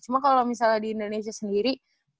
cuma kalau misalnya di indonesia sendiri